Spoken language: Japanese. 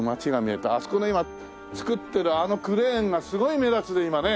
あそこの今造ってるあのクレーンがすごい目立つね今ね。